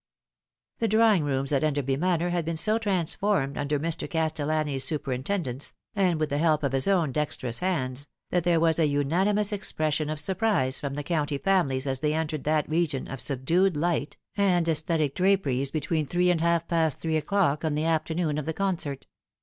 The drawing rooms at Enderby Manor had been so trans formed under Mr. Castellani's superintendence, and with the help of his own dexterous hands, that there was a unanimous expression of surprise from the county families as they entered that region of subdued light and aesthetic draperies between three and half past three o'clock on the afternoon of the con cert.